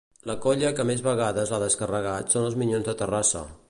La colla que més vegades l'ha descarregat són els Minyons de Terrassa.